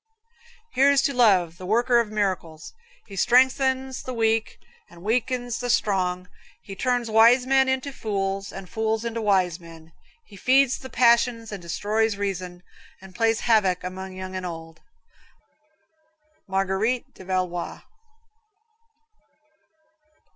Here's to Love, the worker of miracles. He strengthens the weak and weakens the strong; he turns wise men into fools and fools into wise men; he feeds the passions and destroys reason, and plays havoc among young and old! Marguerite de Valois.